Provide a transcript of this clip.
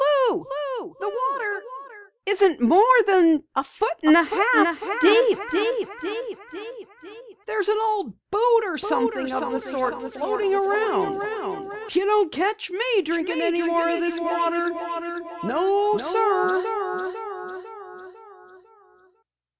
"Lou, the water isn't more than a foot and a half deep! There's an old boot or something of the sort floating around. You don't catch me drinking any more of this water. No sir!"